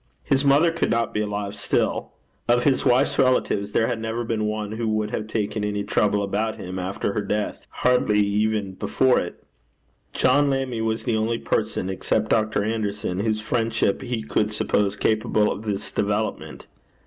His mother could not be alive still. Of his wife's relatives there had never been one who would have taken any trouble about him after her death, hardly even before it. John Lammie was the only person, except Dr. Anderson, whose friendship he could suppose capable of this development.